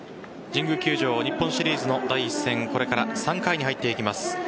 神宮球場日本シリーズの第１戦これから３回に入っていきます。